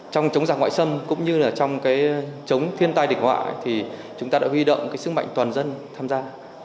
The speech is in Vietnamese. trong chống giặc ngoại xâm cũng như là trong cái chống thiên tai địch họa thì chúng ta đã huy động cái sức mạnh toàn dân tham gia